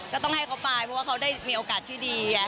ก็ต้องให้เขาไปเพราะว่าเขาได้มีโอกาสที่ดี